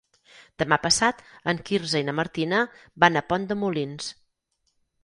Demà passat en Quirze i na Martina van a Pont de Molins.